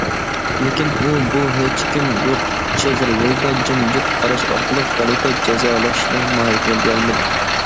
لېكىن ئۇ بۇ ھېچكىم يوق چىغىر يولدا جىمجىت قاراش ئارقىلىق غەلىتە جازالاشنىڭ ماھىيىتىنى بىلەلمىدى.